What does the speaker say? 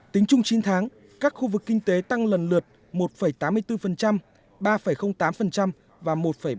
tính chung chín tháng các khu vực kinh tế tăng lần lượt một tám mươi bốn ba tám và một ba mươi